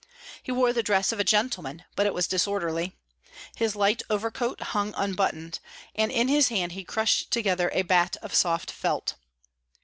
He wore the dress of a gentleman, but it was disorderly. His light overcoat hung unbuttoned, and in his hand he crushed together a hat of soft felt.